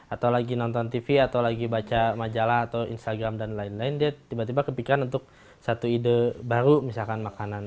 atau lagi nonton tv atau lagi baca majalah atau instagram dan lain lain dia tiba tiba kepikiran untuk satu ide baru misalkan makanan